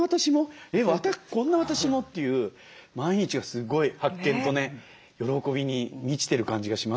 えっまたこんな私も？っていう毎日がすごい発見とね喜びに満ちてる感じがしますね。